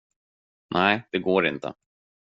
Nej, det går inte.